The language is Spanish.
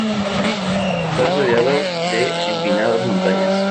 Está rodeado de empinadas montañas.